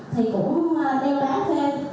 thì cũng đeo đá thêm